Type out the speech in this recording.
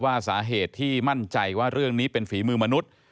ว่าสาเหตุที่มั่นใจว่าเรื่องนี้เป็นฝีมือมนุษย์